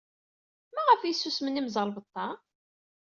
Maɣef ay susmen yimẓerbeḍḍa?